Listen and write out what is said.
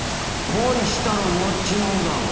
返したら終わっちまうだろ。